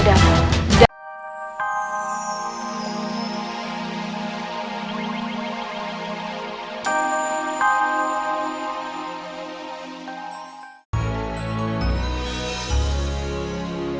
dan keputusan ayahanda